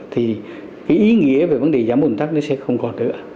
thì cái ý nghĩa về vấn đề giảm ồn tắc nó sẽ không còn nữa